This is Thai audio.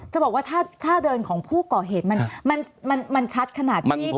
จะบอกว่าถ้าเจ้าแม่ของผู้ก่อเหตุมันมันชัดขนาดนี้